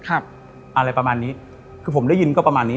อะไรประมาณนี้คือผมได้ยินก็ประมาณนี้